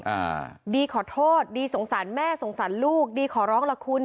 อ่าดีขอโทษดีสงสารแม่สงสารลูกดีขอร้องล่ะคุณ